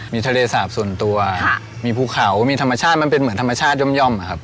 มีทะเลสาปส่วนตัวมีภูเขามีธรรมชาติมันเป็นเหมือนธรรมชาติย่อมอะครับ